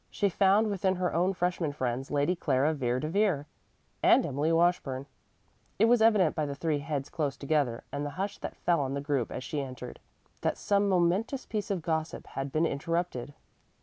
She found within her own freshman friends, Lady Clara Vere de Vere and Emily Washburn. It was evident by the three heads close together, and the hush that fell on the group as she entered, that some momentous piece of gossip had been interrupted.